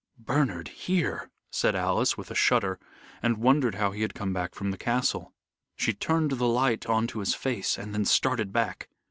"Bernard here," said Alice, with a shudder, and wondered how he had come from the castle. She turned the light on to his face, and then started back.